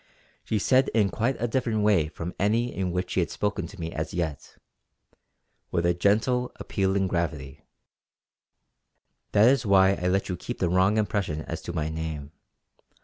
She said in quite a different way from any in which she had spoken to me as yet; with a gentle appealing gravity: "That was why I let you keep the wrong impression as to my name.